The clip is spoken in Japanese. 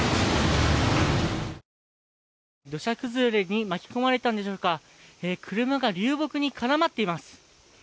土砂崩れに巻き込まれたんでしょうか、車が流木に絡まっています。